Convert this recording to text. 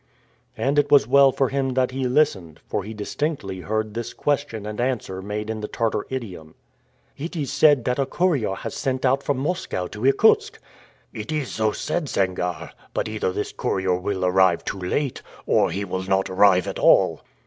And it was well for him that he listened, for he distinctly heard this question and answer made in the Tartar idiom: "It is said that a courier has set out from Moscow for Irkutsk." "It is so said, Sangarre; but either this courier will arrive too late, or he will not arrive at all."